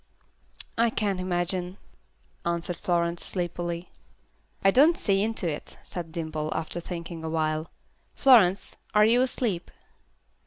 "I can't imagine," answered Florence, sleepily. "I don't see into it," said Dimple, after thinking a while. "Florence, are you asleep?"